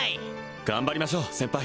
頑張りましょう先輩